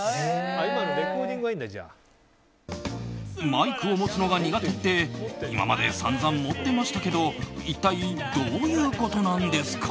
マイクを持つのが苦手って今まで散々持ってましたけど一体どういうことなんですか？